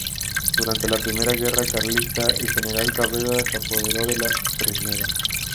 Durante la primera guerra Carlista, el general Cabrera se apoderó de la Fresneda.